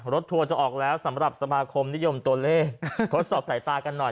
ทัวร์จะออกแล้วสำหรับสมาคมนิยมตัวเลขทดสอบสายตากันหน่อย